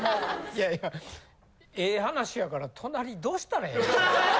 いやいやええ話やから隣どうしたらええの？